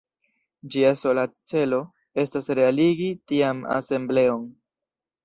Ĝia sola celo estas realigi tian asembleon.